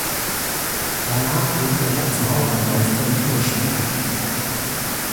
Danach wirkte er als Maurermeister in Hirschberg.